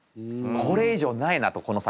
これ以上ないなとこの先。